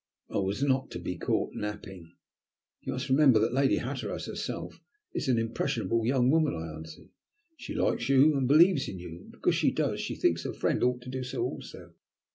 I was not to be caught napping. "You must remember that Lady Hatteras herself is an impressionable young woman," I answered. "She likes you and believes in you, and because she does she thinks her friend ought to do so also.